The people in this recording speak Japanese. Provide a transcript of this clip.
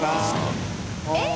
えっ？